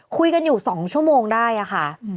คุยกันอยู่๒ชั่วโมงได้ค่ะ